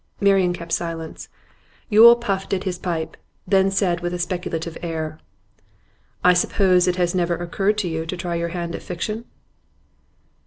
Marian kept silence. Yule puffed at his pipe, then said with a speculative air: 'I suppose it has never even occurred to you to try your hand at fiction?